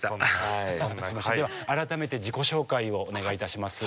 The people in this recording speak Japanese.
では改めて自己紹介をお願いいたします。